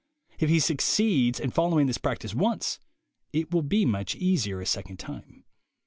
If he succeeds in following this practice once, it will be much easier a second time.